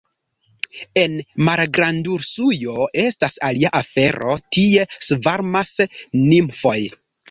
En Malgrandrusujo estas alia afero, tie svarmas nimfoj.